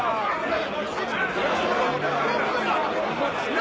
何？